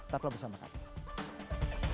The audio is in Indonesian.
tetap bersama kami